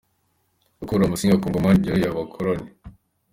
Gukura Musinga ku ngoma ntibyoroheye abakoloni.